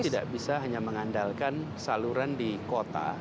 tidak bisa hanya mengandalkan saluran di kota